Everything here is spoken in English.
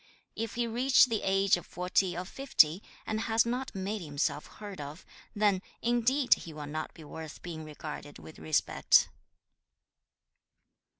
If he reach the age of forty or fifty, and has not made himself heard of, then indeed he will not be worth being regarded with respect.'